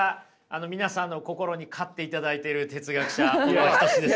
皆さんの心に飼っていただいてる哲学者小川仁志です。